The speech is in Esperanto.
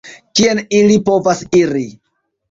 Kien ili povos iri?